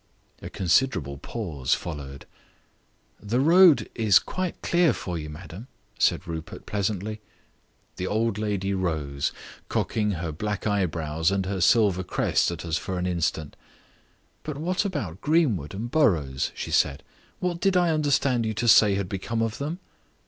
A considerable pause followed. "The road is quite clear for you, madam," said Rupert pleasantly. The old lady rose, cocking her black eyebrows and her silver crest at us for an instant. "But what about Greenwood and Burrows?" she said. "What did I understand you to say had become of them?"